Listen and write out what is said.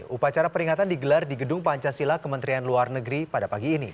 upacara peringatan digelar di gedung pancasila kementerian luar negeri pada pagi ini